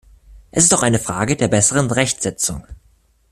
Es ist auch eine Frage der besseren Rechtsetzung.